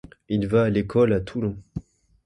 Il va à l’école à Toulon.